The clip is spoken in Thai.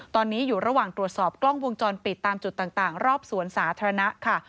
ตอนนี้อยู่ระหว่างตรวจสอบกล้องวงจรปิดตามจุดต่างรอบสวนสาธารณะค่ะ